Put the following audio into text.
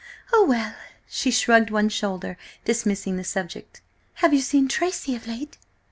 Oh, well!" She shrugged one shoulder, dismissing the subject. "Have you seen Tracy of late?"